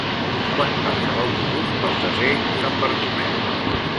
Quan passa l'autobús pel carrer Sant Bartomeu?